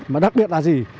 mà đặc biệt là gì